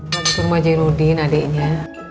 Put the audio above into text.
masuk rumah jenudin adeknya